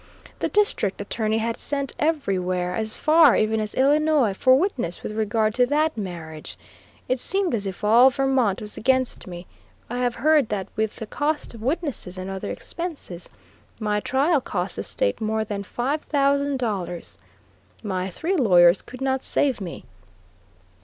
The District Attorney had sent everywhere, as far even as Illinois, for witness with regard to that marriage. It seemed as if all Vermont was against me. I have heard that with the cost of witnesses and other expenses, my trial cost the state more than five thousand dollars. My three lawyers could not save me.